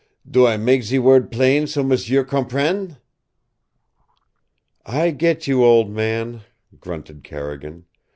"Do I mak' ze word plain so m'sieu compren'?" "I get you, old man," grunted Carrigan.